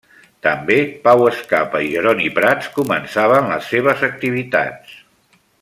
També Pau Escapa i Jeroni Prats començaven les seves activitats.